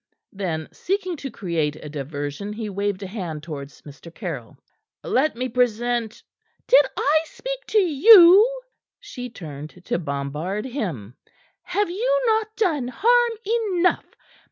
Then, seeking to create a diversion, he waved a hand towards Mr. Caryll. "Let me present " "Did I speak to you?" she turned to bombard him. "Have you not done harm enough?